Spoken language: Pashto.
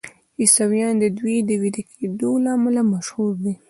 عیسویان د دوی د ویده کیدو له امله مشهور دي.